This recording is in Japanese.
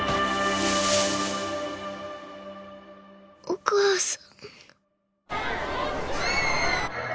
お母さん。